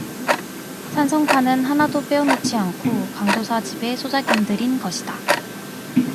찬성파는 하나도 빼어 놓지 않고 강도사 집의 소작인들인 것이다.